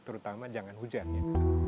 terutama jangan hujan ya